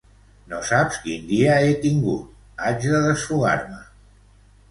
No saps quin dia he tingut, haig de desfogar-me.